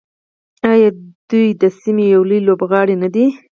آیا دوی د سیمې یو لوی لوبغاړی نه دی؟